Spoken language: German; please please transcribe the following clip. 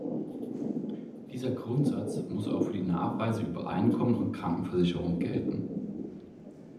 Dieser Grundsatz muss auch für die Nachweise über Einkommen und Krankenversicherung gelten.